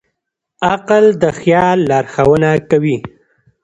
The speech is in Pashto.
عقل د خیال لارښوونه کوي.